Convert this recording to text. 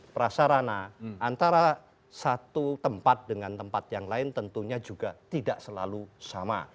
prasarana antara satu tempat dengan tempat yang lain tentunya juga tidak selalu sama